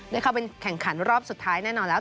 ได้เข้าไปแข่งขันรอบสุดท้ายแน่นอนแล้ว